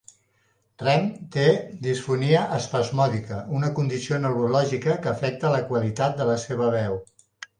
Rehm té disfonia espasmòdica, una condició neurològica que afecta la qualitat de la seva veu.